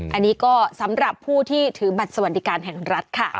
อันนี้ก็สำหรับผู้ที่ถือบัตรสวัสดิการแห่งรัฐค่ะ